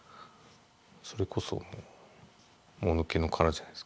それこそもぬけの殻じゃないですか。